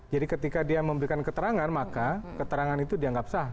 jadi ketika dia memberikan keterangan maka keterangan itu dianggap sah